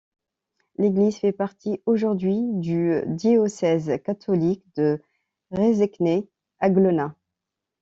L’église fait partie aujourd’hui du diocèse catholique de Rēzekne-Aglona.